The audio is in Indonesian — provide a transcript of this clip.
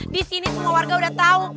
disini semua warga udah tau